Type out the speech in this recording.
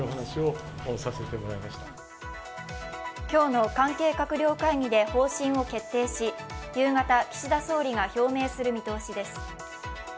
今日の関係閣僚会議で方針を決定し、夕方、岸田総理が表明する見通しです。